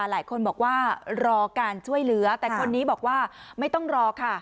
หลายคนบอกว่ารอการช่วยเหลือแต่คนนี้บอกว่าไม่ต้องรอค่ะ